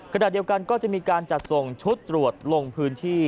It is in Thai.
ขณะเดียวกันก็จะมีการจัดส่งชุดตรวจลงพื้นที่